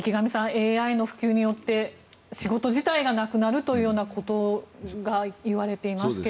ＡＩの普及によって仕事自体がなくなるということが言われています。